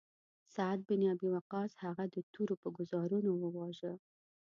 سعد بن ابی وقاص هغه د تورو په ګوزارونو وواژه.